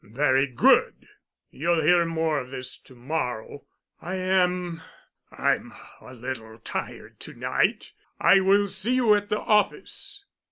"Very good. You'll hear more of this to morrow. I am—I'm a little tired to night. I will see you at the office."